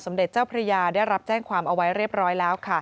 เด็จเจ้าพระยาได้รับแจ้งความเอาไว้เรียบร้อยแล้วค่ะ